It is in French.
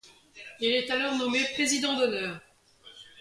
Il est alors nommé président d'honneur.